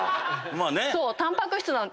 まあね。